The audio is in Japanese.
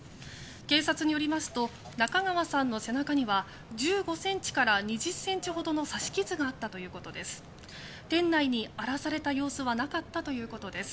警察によりますと中川さんの背中には１５ｃｍから２０ｃｍほどの刺し傷があったということです。